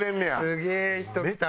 すげえ人きたな。